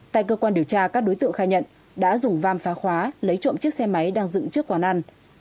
tại cơ quan điều tra các đối tượng khai nhận đã dùng vam phá khóa lấy trộm chiếc xe máy đang dựng trước quán ăn